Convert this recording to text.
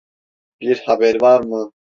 Bir haber var mı?